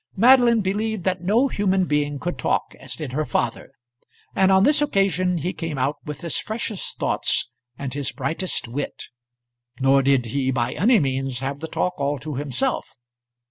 Madeline believed that no human being could talk as did her father, and on this occasion he came out with his freshest thoughts and his brightest wit. Nor did he, by any means, have the talk all to himself.